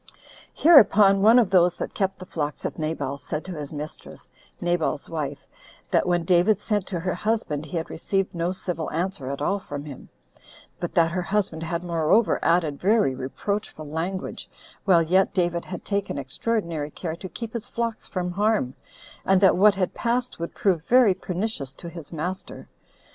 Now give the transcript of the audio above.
7. Hereupon one of those that kept the flocks of Nabal, said to his mistress, Nabal's wife, that when David sent to her husband he had received no civil answer at all from him; but that her husband had moreover added very reproachful language, while yet David had taken extraordinary care to keep his flocks from harm, and that what had passed would prove very pernicious to his master.